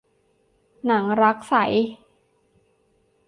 หนังรักใส